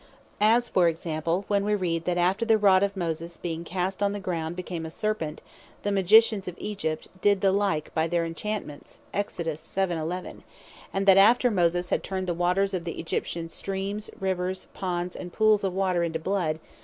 As for example, when we read that after the Rod of Moses being cast on the ground became a Serpent, (Exod. 7. 11.) "the Magicians of Egypt did the like by their Enchantments;" and that after Moses had turned the waters of the Egyptian Streams, Rivers, Ponds, and Pooles of water into blood, (Exod.